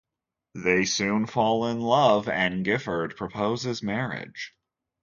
They soon fall in love and Gifford proposes marriage.